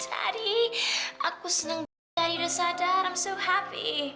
daddy aku seneng dari udah sadar i'm so happy